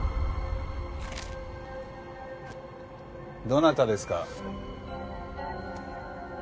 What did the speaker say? どなたですか？